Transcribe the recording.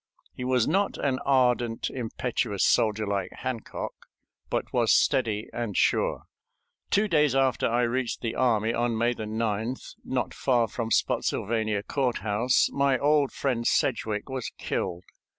He was not an ardent, impetuous soldier like Hancock, but was steady and sure. Two days after I reached the army, on May 9th, not far from Spottsylvania Courthouse, my old friend Sedgwick was killed.